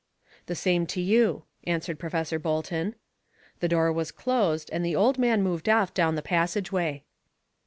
"The same to you," answered Professor Bolton. The door was closed, and the old man moved off down the passageway.